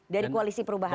dari koalisi perubahan